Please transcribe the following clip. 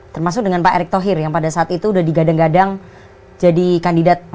termasuk dengan pak erick thohir yang pada saat itu sudah digadang gadang jadi kandidat